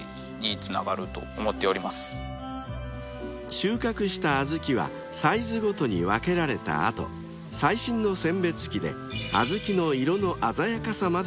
［収穫した小豆はサイズごとに分けられた後最新の選別機で小豆の色の鮮やかさまで識別］